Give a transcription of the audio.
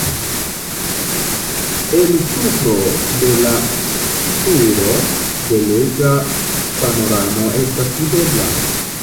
El supro de la turo belega panoramo estas videbla.